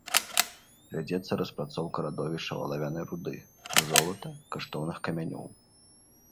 Вядзецца распрацоўка радовішчаў алавянай руды, золата, каштоўных камянёў.